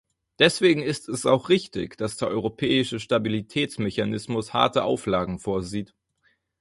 Deswegen ist es auch richtig, dass der Europäische Stabilitätsmechanismus harte Auflagen vorsieht.